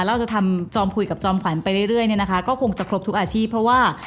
เราจะทำจอมคุยกับจอมขวัญไปเรื่อยเนี่ยนะคะก็คงจะครบทุกอาชีพเพราะว่า